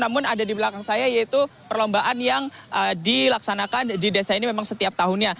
namun ada di belakang saya yaitu perlombaan yang dilaksanakan di desa ini memang setiap tahunnya